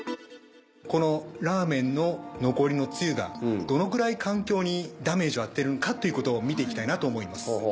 このラーメンの残りの汁がどのくらい環境にダメージを与えるのかっていうことを見て行きたいなと思います。